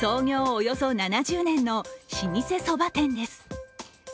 およそ７０年の老舗そば店です。